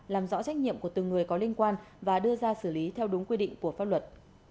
làm rõ trách nhiệm của từng người có liên quan và đưa ra xử lý theo đúng quy định của pháp luật